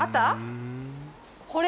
これ。